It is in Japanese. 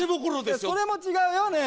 それも違うよねぇ。